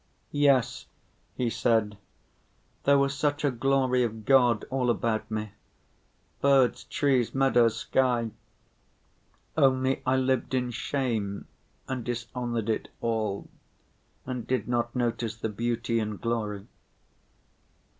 "Yes," he said, "there was such a glory of God all about me: birds, trees, meadows, sky; only I lived in shame and dishonored it all and did not notice the beauty and glory."